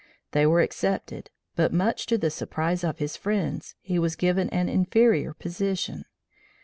They were accepted, but much to the surprise of his friends, he was given an inferior position.